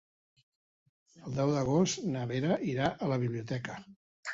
El deu d'agost na Vera irà a la biblioteca.